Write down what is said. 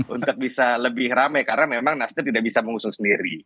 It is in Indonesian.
untuk bisa lebih rame karena memang nasdem tidak bisa mengusung sendiri